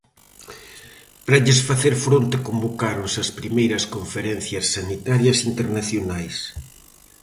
Para lles facer fronte convocáronse as primeiras Conferencias Sanitarias Internacionais.